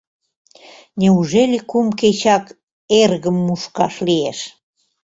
Неужели кум кечак эргым «мушкаш» лиеш?